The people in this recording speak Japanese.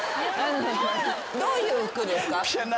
どういう服ですか？